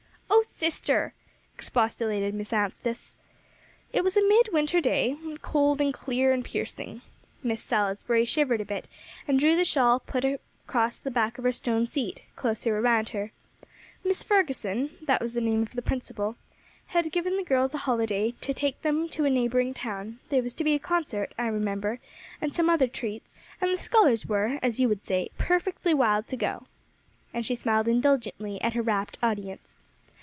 "Oh sister!" expostulated Miss Anstice. "It was a midwinter day, cold and clear and piercing." Miss Salisbury shivered a bit, and drew the shawl put across the back of her stone seat, closer around her. "Mrs. Ferguson that was the name of the principal had given the girls a holiday to take them to a neighboring town; there was to be a concert, I remember, and some other treats; and the scholars were, as you would say, 'perfectly wild to go,'" and she smiled indulgently at her rapt audience.